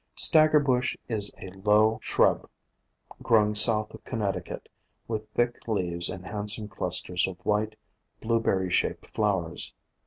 Staggerbush is a low shrub growing south of Connecticut, with thick leaves and handsome clusters of white, blueberry shaped flowers.